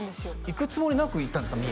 行くつもりなく行ったんですか？